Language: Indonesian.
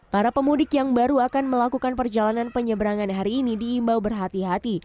para pemudik yang baru akan melakukan perjalanan penyeberangan hari ini diimbau berhati hati